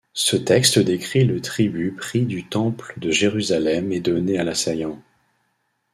Ce texte décrit le tribut pris du temple de Jérusalem et donné à l'assaillant.